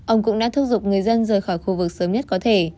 ông cũng đã thúc giục người dân rời khỏi khu vực sớm nhất có thể